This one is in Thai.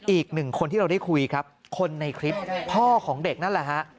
อีกหนึ่งคนที่เราได้คุยครับคนในคลิปพ่อของเด็กนั่นแหละฮะ